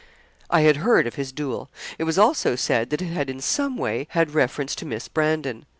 I had heard of his duel. It was also said that it had in some way had reference to Miss Brandon.